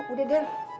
kok udah dar